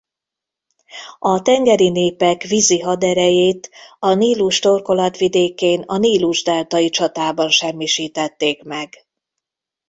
A tengeri népek vízi haderejét a Nílus torkolatvidékén a Nílus-deltai csatában semmisítették meg.